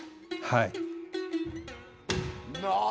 はい。